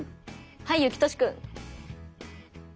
はいゆきとしくん。